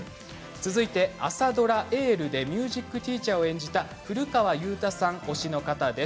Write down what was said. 続いて朝ドラ「エール」でミュージックティーチャーを演じた古川雄大さん推しの方です。